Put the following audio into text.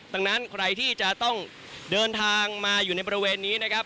ดังนั้นใครที่จะต้องเดินทางมาอยู่ในบริเวณนี้นะครับ